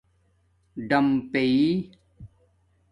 ڈَم پیئ